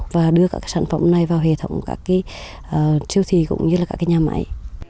và đưa các sản phẩm này vào hệ thống các chiêu thị cũng như các nhà máy